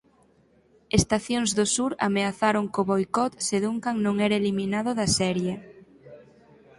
Estacións do sur ameazaron co boicot se Duncan non era eliminado da serie.